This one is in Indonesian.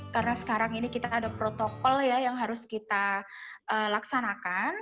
karena sekarang ini kita ada protokol yang harus kita laksanakan